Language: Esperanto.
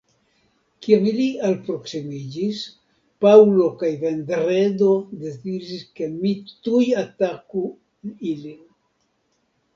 Kiam ili aproksimiĝis, Paŭlo kaj Vendredo deziris ke mi tuj ataku ilin.